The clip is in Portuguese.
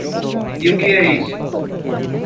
E o que é isso?